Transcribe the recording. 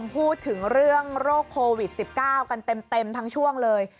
พูดถึงเรื่องโรคโควิด๑๙กันเต็มทั้งช่วงเลย